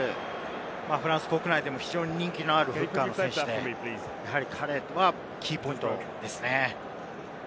フランス国内でも非常に人気のあるフッカーの選手で、やはり彼はキーポイントですね。